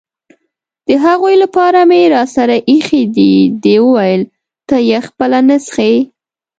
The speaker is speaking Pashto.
د هغوی لپاره مې راسره اېښي دي، دې وویل: ته یې خپله نه څښې؟